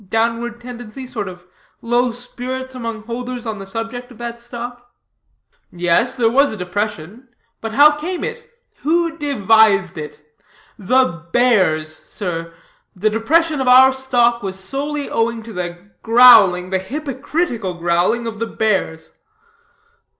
downward tendency? Sort of low spirits among holders on the subject of that stock?" "Yes, there was a depression. But how came it? who devised it? The 'bears,' sir. The depression of our stock was solely owing to the growling, the hypocritical growling, of the bears."